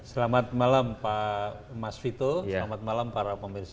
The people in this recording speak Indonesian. selamat malam pak mas vito selamat malam para pemirsa